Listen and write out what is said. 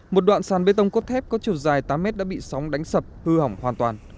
một đoạn sàn bê tông cốt thép có chiều dài tám mét đã bị sóng đánh sập hư hỏng hoàn toàn